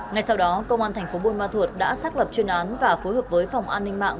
ngay sau đó công an tp bôn ma thuật đã xác lập chuyên án và phối hợp với phòng an ninh mạng